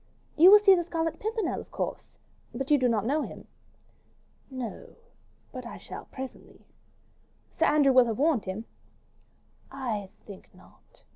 "You will see the Scarlet Pimpernel, of course. But you do not know him." "No. But I shall presently." "Sir Andrew will have warned him." "I think not.